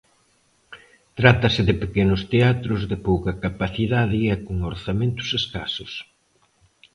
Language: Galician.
Trátase de pequenos teatros, de pouca capacidade e con orzamentos escasos.